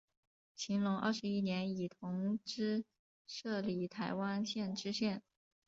乾隆二十一年以同知摄理台湾县知县。